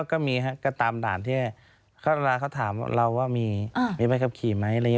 ก็มีครับก็ตามด่านที่ข้างละเขาถามเราว่ามีไบขับขี่มั้ย